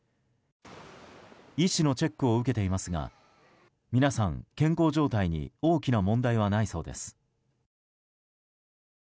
医師のチェックを受けていますが皆さん、健康状態に大きな問題はないそうです。